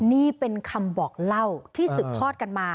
นี่เป็นคำบอกเล่าที่สืบทอดกันมา